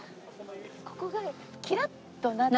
ここがキラッとなって。